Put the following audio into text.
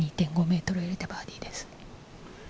２．５ｍでバーディーです。